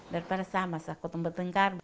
daripada sama saja kalau tempat tengkar